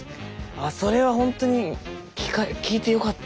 あそれはほんとに聞いてよかった。